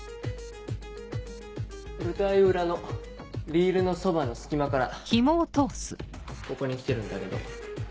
舞台裏のリールのそばの隙間からここに来てるんだけど。